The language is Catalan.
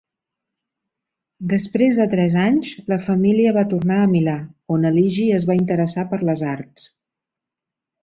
Després de tres anys, la família va tornar a Milà, on Aligi es va interessar per les arts.